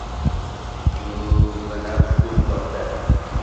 Yuvinar shu buloqda.